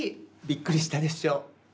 びっくりしたでしょ？